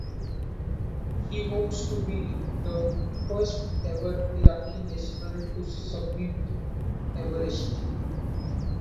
She hopes to be the first ever Iraqi national to summit Everest.